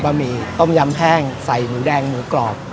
หมี่ต้มยำแห้งใส่หมูแดงหมูกรอบ